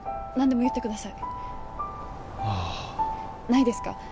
何でも言ってくださいあないですか？